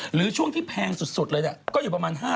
หรือช่วงที่แพงสุดเลยก็อยู่ประมาณ๕๐๐๐๖๐๐๐บาท